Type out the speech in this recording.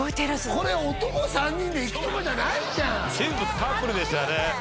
これ男３人で行くとこじゃないじゃん全部カップルでしたね